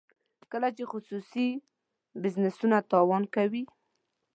کله چې خصوصي بزنسونه تاوان کوي.